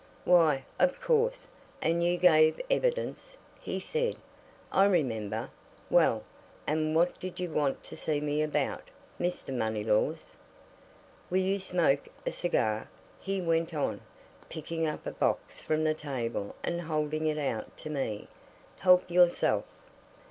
"Why, of course, and you gave evidence," he said. "I remember. Well, and what did you want to see me about, Mr. Moneylaws? Will you smoke a cigar?" he went on, picking up a box from the table and holding it out to me. "Help yourself."